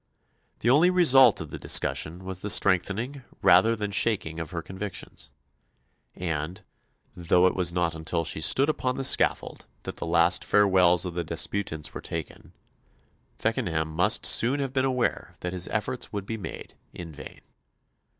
The only result of the discussion was the strengthening rather than shaking of her convictions; and though it was not until she stood upon the scaffold that the last farewells of the disputants were taken, Feckenham must soon have been aware that his efforts would be made in vain.